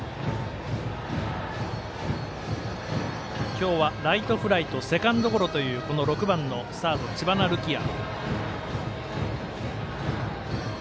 今日はライトフライとセカンドゴロという６番のサード、知花琉綺亜。